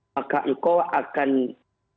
maka engkau akan sedikit merasakan gelisah dalam dirimu